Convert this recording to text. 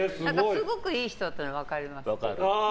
すごくいい人っていうのは分かります。